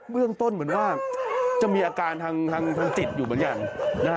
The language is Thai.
เรื่องต้นเหมือนว่าจะมีอาการทางจิตอยู่เหมือนกัน